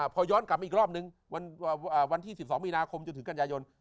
พอย้อนกลับมาอีกรอบนึงวันที่๑๒มีนาคมจนถึงกันยายน